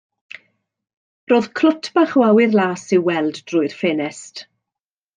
Roedd clwt bach o awyr las i'w weld drwy'r ffenest.